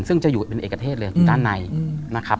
ซึ่งจะอยู่เป็นเอกเทศเลยอยู่ด้านในนะครับ